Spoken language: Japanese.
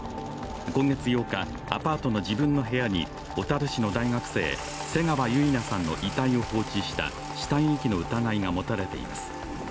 今月８日、アパートの自分の部屋に小樽市の大学生、瀬川結菜さんの遺体を放置した死体遺棄の疑いが持たれています。